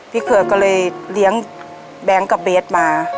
เขือก็เลยเลี้ยงแบงค์กับเบสมา